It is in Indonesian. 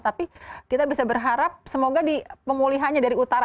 tapi kita bisa berharap semoga di pemulihannya dari utara